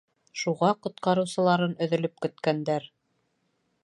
Шуға ҡотҡарыусыларын өҙөлөп көткәндәр.